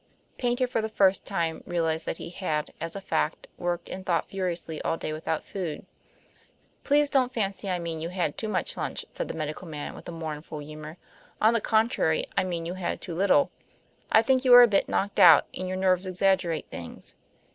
Paynter for the first time realized that he had, as a fact, worked and thought furiously all day without food. "Please don't fancy I mean you had too much lunch," said the medical man, with mournful humor. "On the contrary, I mean you had too little. I think you are a bit knocked out, and your nerves exaggerate things.